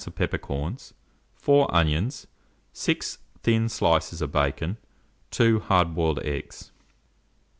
of peppercorns, 4 onions, 6 thin slices of bacon, 2 hard boiled eggs.